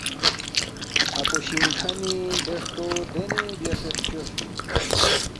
اپو شِنگ کھنی دے ہرتو دینے بیاسے فچوس جُو